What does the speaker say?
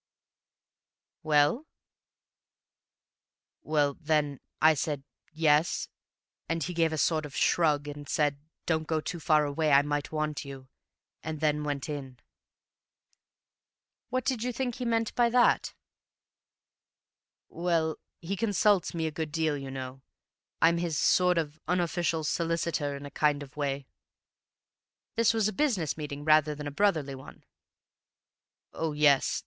"Well?" "Well, then, I said 'Yes,' and he gave a sort of shrug, and said, 'Don't go too far away, I might want you'; and then went in." "What did you think he meant by that?" "Well, he consults me a good deal, you know. I'm his sort of unofficial solicitor in a kind of way." "This was a business meeting rather than a brotherly one?" "Oh, yes.